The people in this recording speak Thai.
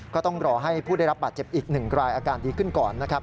ก็ต้องรอให้ผู้ได้รับบาดเจ็บอีก๑รายอาการดีขึ้นก่อนนะครับ